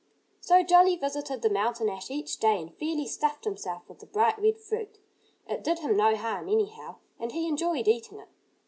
So Jolly visited the mountain ash each day and fairly stuffed himself with the bright red fruit. It did him no harm, anyhow. And he enjoyed eating it.